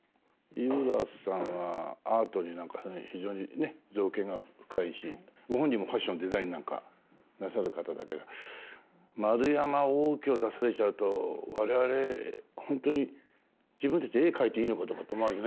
井浦さんはアートに非常に造詣が深いしご本人もファッションデザインなんかなさる方だけど円山応挙を出されちゃうと我々ほんとに自分たち絵描いていいのかとかって思いますね。